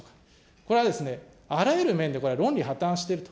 これはですね、あらゆる面でこれは論理、破綻していると。